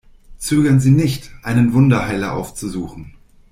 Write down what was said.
Zögern Sie nicht, einen Wunderheiler aufzusuchen!